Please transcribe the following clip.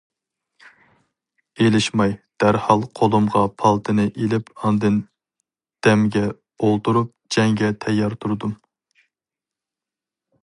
« ئېلىشماي!» دەرھال قولۇمغا پالتىنى ئېلىپ ئاندىن دەمگە ئولتۇرۇپ« جەڭگە» تەييار تۇردۇم.